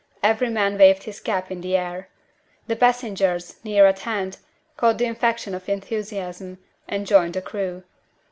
Every man waved his cap in the air. The passengers, near at hand, caught the infection of enthusiasm, and joined the crew.